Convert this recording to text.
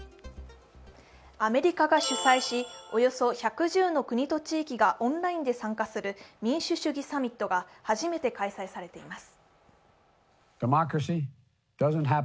アメリカが主催し、およそ１１０の国と地域がオンラインで参加する民主主義サミットが初めて開催されています。